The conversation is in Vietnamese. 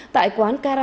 tại quán hàng n hai o